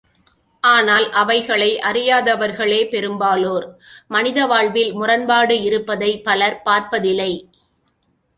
ஆனால் அவைகளை அறியாதவர்களே பெரும்பாலோர், மனித வாழ்வில் முரண்பாடு இருப்பதையே பலர் பார்ப்பதிலை.